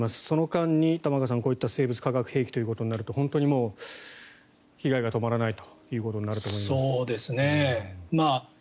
その間に玉川さん、こういった生物・化学兵器ということになると本当に被害が止まらないということになると思います。